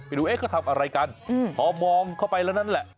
ดูเอ๊ะเขาทำอะไรกันพอมองเข้าไปแล้วนั่นแหละ